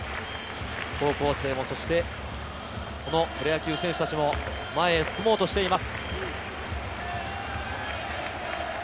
コロナと闘いながら、高校生も、そしてプロ野球選手たちも前へ進もうとしています。